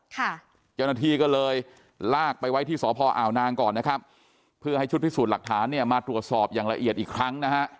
เจ้าหน้าที่ก็เลยลากไปไว้ที่สพอ่าวนางก่อนนะครับเพื่อให้ชุดพิสูจน์หลักฐานเนี่ยมาตรวจสอบอย่างละเอียดอีกครั้งนะฮะ